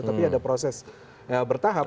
tapi ada proses bertahap